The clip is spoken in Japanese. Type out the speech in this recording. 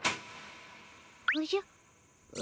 おじゃ？